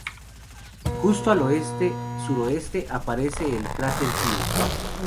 Justo al oeste-suroeste aparece el cráter Hill.